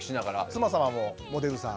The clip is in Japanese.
妻様もモデルさん。